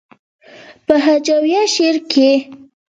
پۀ هجويه شعر کښې